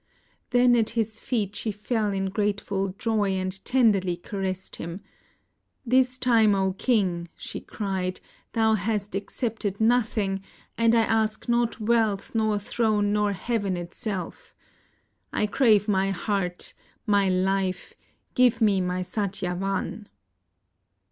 Then at his feet she fell in grateful joy and tenderly caressed them. "This time, 0 King," she cried, "thou hast excepted nothing, and I ask not wealth, nor throne, nor heaven itself. I crave my heart, my life — give me my Satyavan